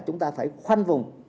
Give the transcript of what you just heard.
chúng ta phải khoanh vùng